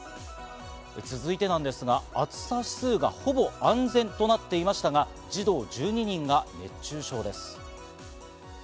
続いてなんですが、暑さ指数がほぼ安全となっていましたが、児童１２人が熱中症です。